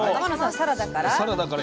サラダから？